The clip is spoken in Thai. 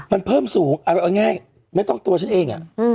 มันเพิ่มสูงเอาง่ายไม่ต้องตัวฉันเอง